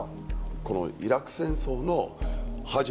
このイラク戦争の始まり